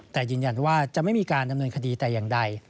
แต่ยืนยันว่าจะไม่มีการดำเนินคดีแต่อย่างใด